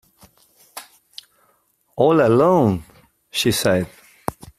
“All alone?” she said.